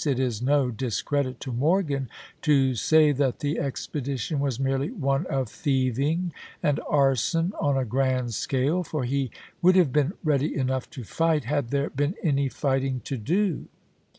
It is no discredit to Morgan to say that the expedition was merely one of thieving and arson on a grand scale, for he would have been ready enough to fight, had there been any fighting to do.